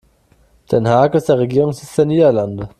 Den Haag ist der Regierungssitz der Niederlande.